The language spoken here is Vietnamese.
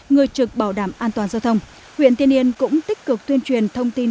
người trực bảo đảm an toàn giao thông huyện tiên yên cũng tích cực tuyên truyền thông tin